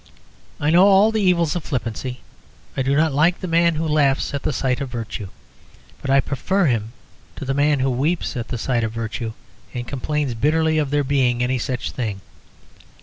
I know all the evils of flippancy; I do not like the man who laughs at the sight of virtue. But I prefer him to the man who weeps at the sight of virtue and complains bitterly of there being any such thing.